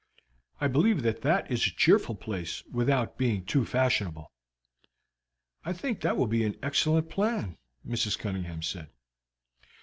I believe that that is a cheerful place without being too fashionable." "I think that will be an excellent plan," Mrs. Cunningham said.